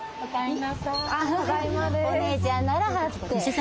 お姉ちゃんならはって。